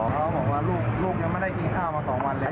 เขาบอกว่าลูกยังไม่ได้กินข้าวมา๒วันเลย